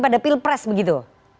pada pilpres begitu